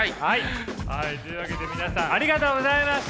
はいというわけで皆さんありがとうございました！